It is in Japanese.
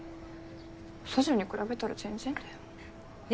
ソジュンに比べたら全然だよ。え？